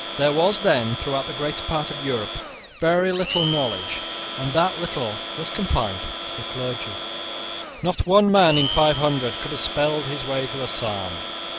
There was then, through the greater part of Europe, very little knowledge; and that little was confined to the clergy. Not one man in five hundred could have spelled his way through a psalm.